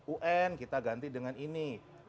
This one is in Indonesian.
un kita ganti dengan ini